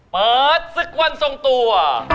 เปิดสกวรทรงตัว